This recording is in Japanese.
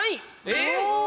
えっ？